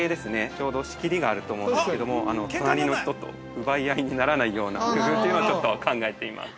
ちょうど仕切りがあると思うんですけれども隣と人と奪い合いにならないような工夫というのをちょっと考えています。